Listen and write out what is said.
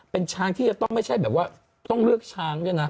เป็นช้างที่จะต้องไม่ใช่แบบว่าต้องเลือกช้างด้วยนะ